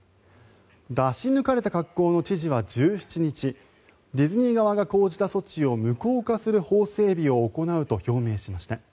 出し抜かれた格好の知事は１７日ディズニー側が講じた措置を無効化する法整備を行うと表明しました。